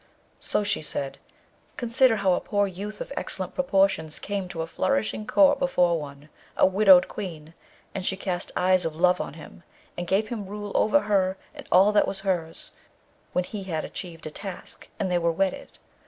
So she said, 'Consider how a poor youth of excellent proportions came to a flourishing Court before one, a widowed Queen, and she cast eyes of love on him, and gave him rule over her and all that was hers when he had achieved a task, and they were wedded.